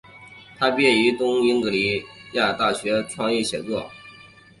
她毕业于东英吉利亚大学创意写作课程。